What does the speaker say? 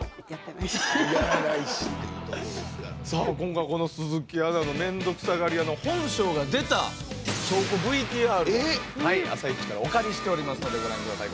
さあ今回この鈴木アナのめんどくさがり屋の本性が出た証拠ＶＴＲを「あさイチ」からお借りしておりますのでご覧ください